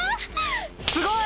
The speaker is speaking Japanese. すごい！